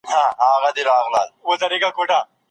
احمد پرون یو ښکلی ګل واخیستی.